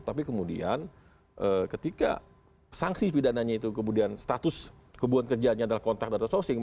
tapi kemudian ketika sanksi pidananya itu kemudian status kebutuhan kerjaannya adalah kontrak dan outsourcing